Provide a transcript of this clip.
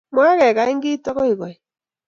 Mwaa kevany Kim agoi koit